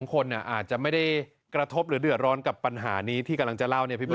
คนอาจจะไม่ได้กระทบหรือเดือดร้อนกับปัญหานี้ที่กำลังจะเล่าเนี่ยพี่บุ